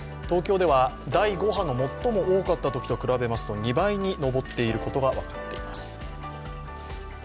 東京では第５波の最も多かったときと比べると２倍に上っていることが分かっています。